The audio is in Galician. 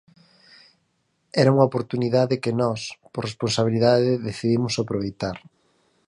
Era unha oportunidade que nós, por responsabilidade, decidimos aproveitar.